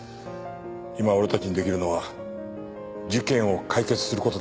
今俺たちにできるのは事件を解決する事だけだ。